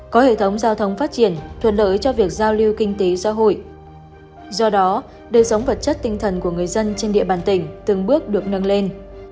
có hệ thống giao thông phát triển thuận lợi cho việc giao lưu kinh tế xã hội do đó đời sống vật chất tinh thần của người dân trên địa bàn tỉnh từng bước được nâng lên